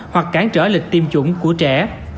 hoặc cản trở lịch tiêm chủng của trẻ